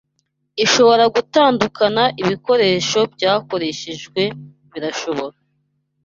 ishobora gutandukana ibikoresho byakoreshejwe birashobora